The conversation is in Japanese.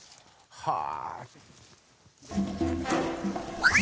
はい。